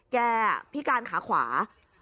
แกพี่กานขาขวา